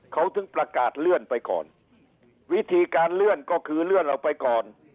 เขาถึงประกาศเลื่อนไปก่อนวิธีการเลื่อนก็คือเลื่อนออกไปก่อน